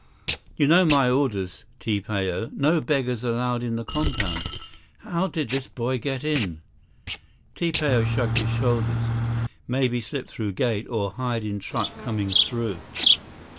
"You know my orders, Ti Pao. No beggars allowed in the compound. How did this boy get in?" Ti Pao shrugged his shoulders. "Maybe slip through gate, or hide in truck coming through."